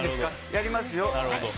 やりますよ。